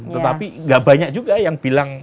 tetapi gak banyak juga yang bilang satu putaran